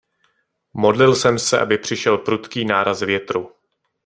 Modlil jsem se, aby přišel prudký náraz větru.